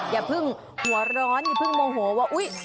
อย่าเพิ่งหัวร้อนอย่าเพิ่งโมโหว่าอุ๊ย